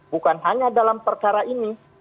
bukan hanya dalam perkara ini